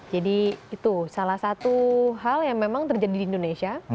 jadi itu salah satu hal yang memang terjadi di indonesia